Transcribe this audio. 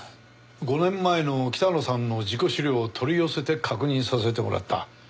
５年前の北野さんの事故資料を取り寄せて確認させてもらった。